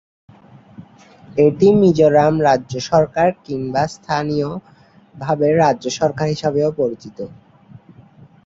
এটি মিজোরাম রাজ্য সরকার কিংবা স্থানীয়ভাবে রাজ্য সরকার হিসাবেও পরিচিত।